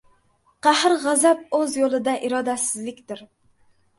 Qahr-g‘azab o‘z yo‘lida irodasizlikdir.